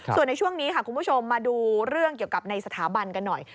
ส่วนในช่วงนี้ค่ะคุณผู้ชมมาดูเรื่องเกี่ยวกับในสถาบันกันหน่อย